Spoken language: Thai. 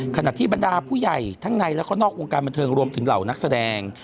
ขณะที่บรรดาผู้ใหญ่ทั้งในแล้วก็นอกวงการบันเทิงรวมถึงเหล่านักแสดง